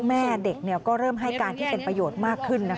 แม่เด็กก็เริ่มให้การที่เป็นประโยชน์มากขึ้น